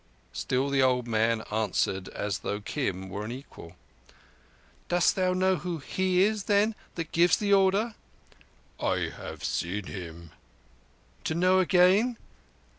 Still the old man answered as though Kim were an equal. "Dost thou know who He is, then, that gives the order?" "I have seen Him." "To know again?"